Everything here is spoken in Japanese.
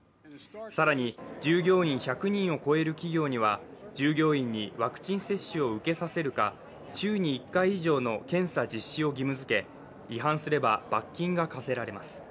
更に従業員１００人を超える企業には従業員にワクチン接種を受けさせるか、週に１回以上の検査実施を義務づけ違反すれば罰金が科せられます。